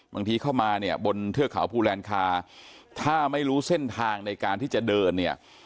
บางทีเข้ามาเนี่ยบนเทือกเขาภูแลนคาถ้าไม่รู้เส้นทางในการที่จะเดินเนี่ย